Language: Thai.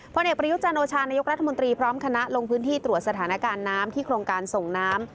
เอกประยุจันโอชานายกรัฐมนตรีพร้อมคณะลงพื้นที่ตรวจสถานการณ์น้ำที่โครงการส่งน้ำ